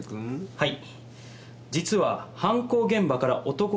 はい。